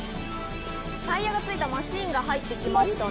タイヤがついたマシンが入ってきましたね。